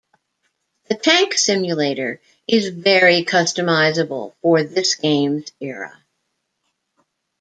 The tank simulator is very customizable for this game's era.